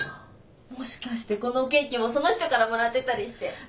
もしかしてこのケーキもその人からもらってたりして。